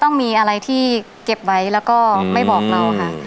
ต้องมีอะไรที่เก็บไว้แล้วก็ไม่บอกเราค่ะ